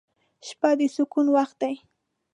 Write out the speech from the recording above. • شپه د سکون وخت دی.